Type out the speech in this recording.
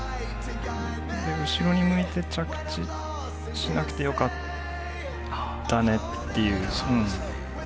で後ろに向いて着地しなくてよかったねっていう。